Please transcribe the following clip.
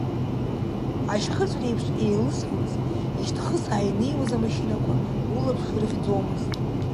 Ашьхыҵә реиԥш еилысуаз, ишьҭхысаа инеиуаз амашьынақәа улаԥш рыхьӡомызт.